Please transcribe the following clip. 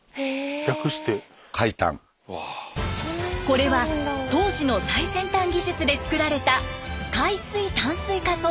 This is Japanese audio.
これは当時の最先端技術で作られた海水淡水化装置。